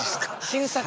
新作。